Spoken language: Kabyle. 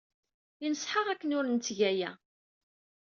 Yenṣeḥ-aɣ akken ur ntteg aya.